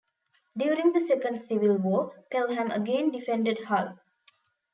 During the Second Civil War, Pelham again defended Hull.